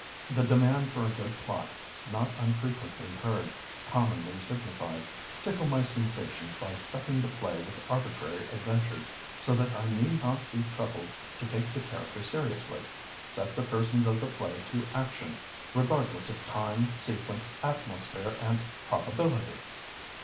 The demand for a good plot, not unfrequently heard, commonly signifies: "Tickle my sensations by stuffing the play with arbitrary adventures, so that I need not be troubled to take the characters seriously. Set the persons of the play to action, regardless of time, sequence, atmosphere, and probability!"